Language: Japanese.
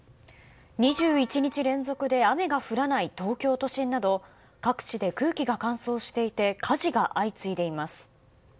２１日連続で雨が降らない東京都心など各地で空気が乾燥していて火事が相次いでいます。